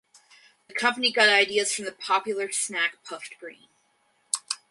The company got ideas from the popular snack puffed grain.